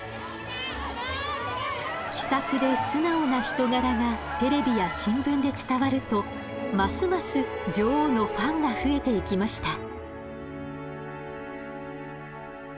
気さくで素直な人柄がテレビや新聞で伝わるとますます女王のファンが増えていきました。